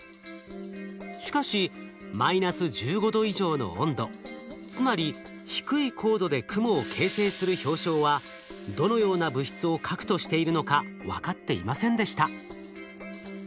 しかしマイナス１５℃以上の温度つまり低い高度で雲を形成する氷晶はどのような物質を核としているのか分かっていませんでした。